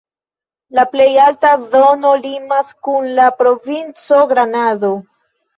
La plej alta zono limas kun la provinco Granado.